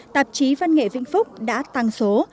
tạp chí văn nghệ vĩnh phúc đã tăng số